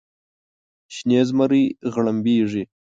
شنې زمرۍ غړمبیږې